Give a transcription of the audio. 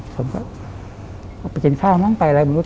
ผมก็ไปกินข้าวมั้งไปอะไรไม่รู้